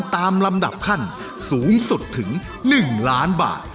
ตามลำดับขั้นสูงสุดถึง๑ล้านบาท